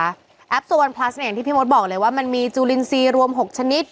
แอปโซ๑พลัสอย่างที่พี่มธบอกเลยว่ามันมีจูลินซีรวม๖ชนิด